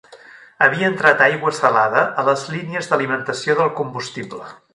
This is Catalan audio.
Havia entrat aigua salada a les línies d'alimentació del combustible.